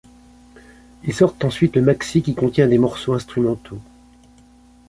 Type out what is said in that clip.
Ils sortent ensuite le maxi ' qui contient des morceaux instrumentaux.